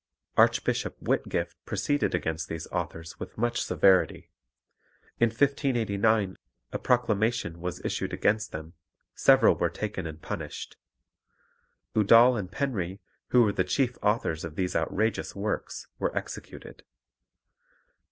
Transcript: Archbishop Whitgift proceeded against these authors with much severity. In 1589 a proclamation was issued against them; several were taken and punished. Udal and Penry, who were the chief authors of these outrageous works, were executed.